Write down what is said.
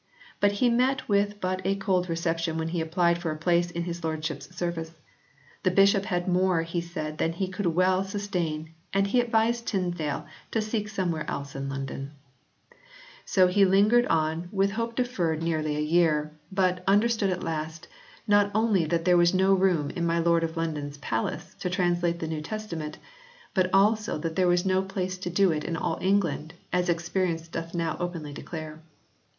But he met with but a cold reception when he applied for a place in his lordship s service. The bishop had more he said than he could well sustain and he advised Tyndale to seek somewhere else in London. So he lingered on in] TYNDALE S PRINTED TRANSLATION 41 4 with hope deferred nearly a year but " understood at the last not only that there was no room in my Lord of London s palace, to translate the New Testament, but also that there was no place to do it in all England, as experience doth now openly declare."